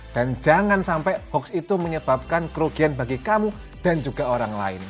dan jangan sampai hoax itu menyebabkan kerugian bagi kamu dan juga orang lain